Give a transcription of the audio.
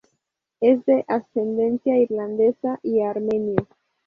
Es de ascendencia irlandesa y armenia.